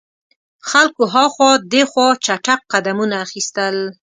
خلکو هاخوا دیخوا چټګ قدمونه اخیستل.